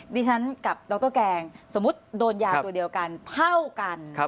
ดิฉันกับดรแกงสมมุติโดนยาตัวเดียวกันเท่ากัน